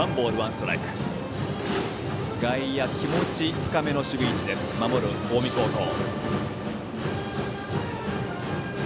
外野は気持ち深めの守備位置守る近江高校。